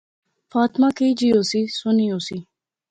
فاطمہ کئی جئی ہوسی؟ سوہنی ہوسی